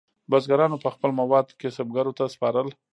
بزګرانو به خپل مواد کسبګرو ته سپارل.